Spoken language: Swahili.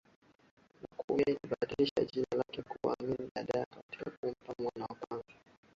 na kumi akibadilisha jina lake kuwa Amin Dada na kumpa mwana wa kwanza